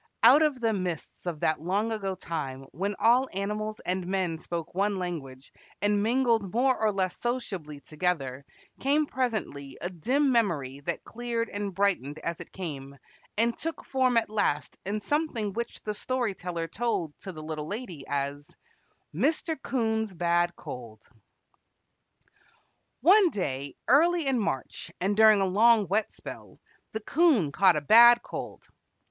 Out of the mists of that long ago time when all animals and men spoke one language and mingled more or less sociably together came presently a dim memory that cleared and brightened as it came, and took form at last in something which the Story Teller told to the Little Lady as MR. 'COON'S BAD COLD. [Illustration: THE 'COON CAUGHT A BAD COLD.] [Illustration: COUGHED AND TOOK ON.] One day, early in March and during a long wet spell, the 'Coon caught a bad cold.